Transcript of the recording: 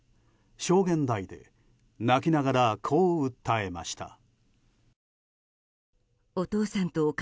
証言台で泣きながら、こう訴えました。